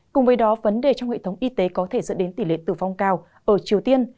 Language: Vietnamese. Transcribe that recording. cùng với đó vấn đề trong hệ thống y tế có thể dẫn đến tỷ lệ tử vong cao ở triều tiên